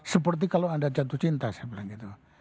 seperti kalau anda jatuh cinta saya bilang gitu